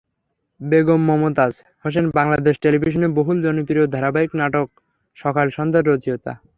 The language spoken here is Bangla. বেগম মমতাজ হোসেন বাংলাদেশ টেলিভিশনের বহুল জনপ্রিয় ধারাবাহিক নাটক সকাল সন্ধ্যার রচয়িতা।